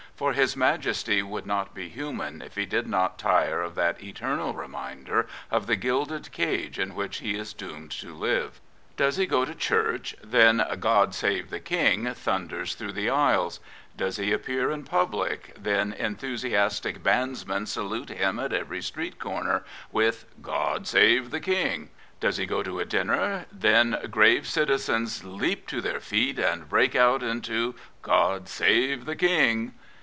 For his Majesty would not be human if he did not tire of that eternal reminder of the gilded cage in which he is doomed to live. Does he go to Church, then God Save the King " thunders through the aisles; does he appear in public, then enthusiastic bandsmen salute him at every street corner with God Save the King does he go to a dinner, then grave citizens leap to their feet and break out into God Save the King."